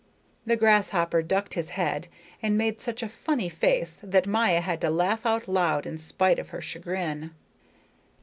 The grasshopper ducked his head and made such a funny face that Maya had to laugh out loud in spite of her chagrin.